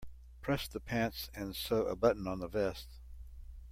Press the pants and sew a button on the vest.